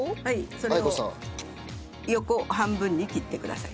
それを横半分に切ってください。